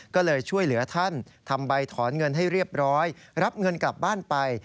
ก็เลยช่วยเหลือท่านทำใบถอนเงินให้เรียบร้อยรับเงินกลับบ้านไป